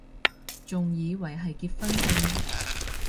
仲以為係結婚証